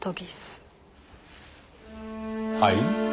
はい？